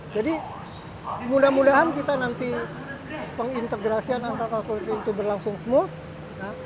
jadi mudah mudahan kita nanti pengintegrasian antara transport publik itu berlangsung smooth